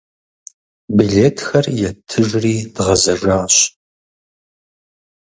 Билетхэр еттыжри дгъэзэжащ.